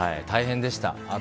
大変でした。